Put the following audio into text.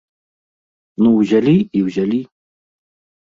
Ну ўзялі і ўзялі.